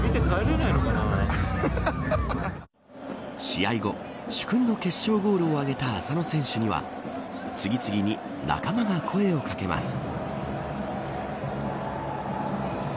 試合後決勝ゴールを挙げた浅野選手には次々と仲間が声を掛けます。